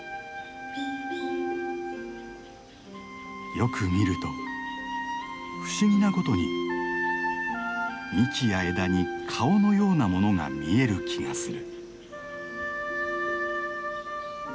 よく見ると不思議なことに幹や枝に顔のようなものが見える気がする。